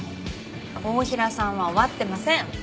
太平さんは終わってません！